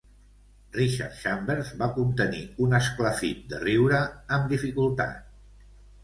Richard Chambers va contenir un esclafit de riure amb dificultat.